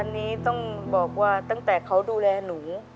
อันนี้ต้องบอกว่าตั้งแต่เขาดูแลหนู